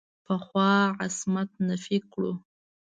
پخوانو عصمت نفي کړو.